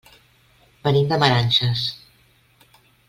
Venim de Meranges.